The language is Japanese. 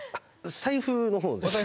財布の方ですか？